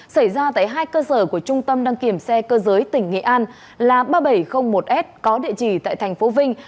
xảy ra tại hai cơ sở của trung tâm đăng kiểm xe cơ giới tỉnh nghệ an là ba nghìn bảy trăm linh một s có địa chỉ tại tp vinh